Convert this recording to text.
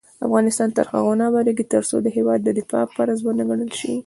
افغانستان تر هغو نه ابادیږي، ترڅو د هیواد دفاع فرض ونه ګڼل شي.